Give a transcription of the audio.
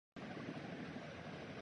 جب ہم غربت کو فحاشی کہتے ہیں۔